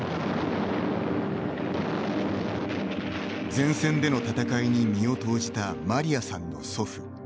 前線での戦いに身を投じたマリアさんの祖父。